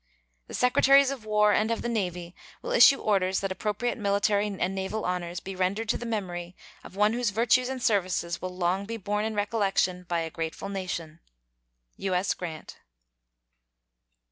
The Secretaries of War and of the Navy will issue orders that appropriate military and naval honors be rendered to the memory of one whose virtues and services will long be borne in recollection by a grateful nation. U.S. GRANT.